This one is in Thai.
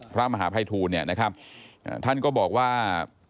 พระมหาภัยทูลท่านก็บอกว่า